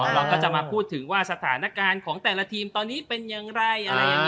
เราก็จะมาพูดถึงว่าสถานการณ์ของแต่ละทีมตอนนี้เป็นอย่างไร